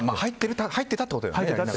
入ってたってことだよね。